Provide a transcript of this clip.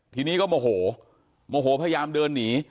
ทีนี้ก็โมโหโมโหพยายามเดินหนี